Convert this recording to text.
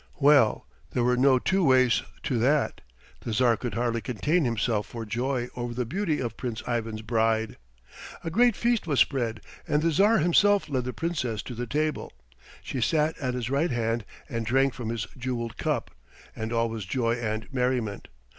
Well, there were no two ways to that. The Tsar could hardly contain himself for joy over the beauty of Prince Ivan's bride. A great feast was spread, and the Tsar himself led the Princess to the table. She sat at his right hand and drank from his jewelled cup, and all was joy and merriment.